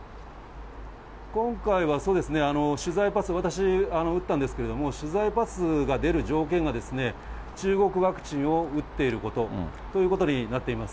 今回はそうですね、取材パス、私、打ったんですけど、取材パスが出る条件が、中国ワクチンを打っていることということになってます。